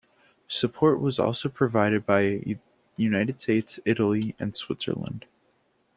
Support was also provided by United States, Italy, and Switzerland.